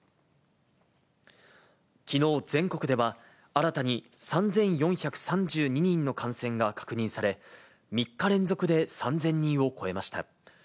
きのう全国では、新たに３４３２人の感染が確認され、３日連続で３０００人を超えました。